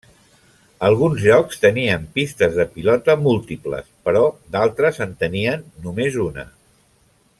Alguns llocs tenien pistes de pilota múltiples, però d'altres en tenien només una.